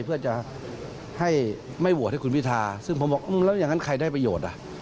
เพื่อจะให้ไม่โหวตให้คุณพิทาซึ่งผมบอกแล้วอย่างนั้นใครได้ประโยชน์อ่ะ